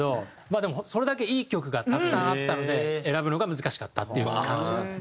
でもそれだけいい曲がたくさんあったので選ぶのが難しかったっていう感じですね。